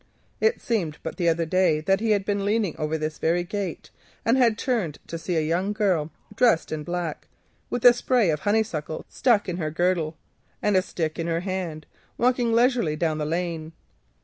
It seemed but the other day that he was leaning over this very gate, and had turned to see a young girl dressed in black, who, with a spray of honeysuckle thrust in her girdle, and carrying a stick in her hand, was walking leisurely down the lane.